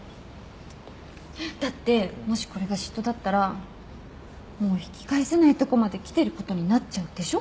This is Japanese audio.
だってもしこれが嫉妬だったらもう引き返せないとこまで来てることになっちゃうでしょ？